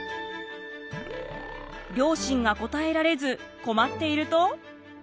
両親が答えられず困っていると。